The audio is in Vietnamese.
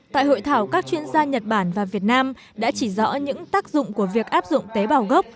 tại hội thảo các chuyên gia nhật bản và việt nam đã chỉ rõ những tác dụng của việc áp dụng tế bào gốc